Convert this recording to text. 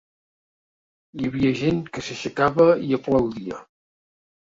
Hi havia gent que s’aixecava i aplaudia.